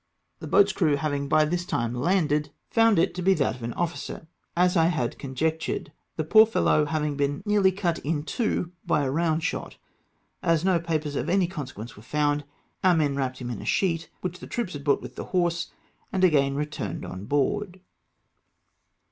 The boat's crew having by this time landed, found it to be FRIGATE TO LEEWARD. 285 that of an officer, as I had conjectured, the poor fellow having been nearly cut in two by a round shot. As no papers of any consequence were found, our men wrapped him in a sheet which the troops had brought with the horse, and again returned on board.